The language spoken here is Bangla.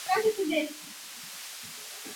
তারপর তিনটা নোংরা কাক আক্রমণ করল।